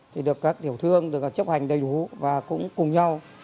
thì được các điều thương được chấp hành đầy đủ và cũng cùng nhau